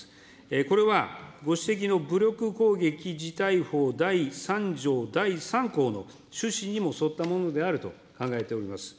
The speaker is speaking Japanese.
これは、ご指摘の武力攻撃事態法第３条第３項の趣旨にも沿ったものであると考えております。